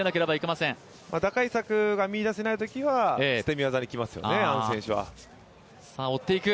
穴井ん打開策が見いだせないときには捨て身技にきますよね、アン選手は。